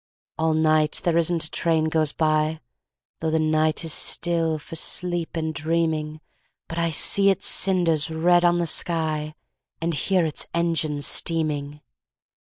All night there isn't a train goes by, Though the night is still for sleep and dreaming But I see its cinders red on the sky, And hear its engine steaming.